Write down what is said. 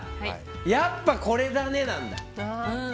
やっぱこれだねなんだ。